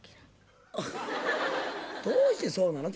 どうしてそうなの？